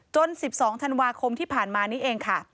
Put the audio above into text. ๑๒ธันวาคมที่ผ่านมานี้เองค่ะ